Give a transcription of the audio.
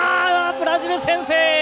ブラジル先制！